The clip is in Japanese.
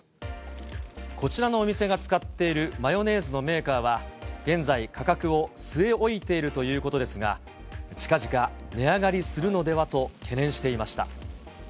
こちらのお店が使っているマヨネーズのメーカーは現在、価格を据え置いているということですが、ちかぢか値上がりするのではと懸念していました。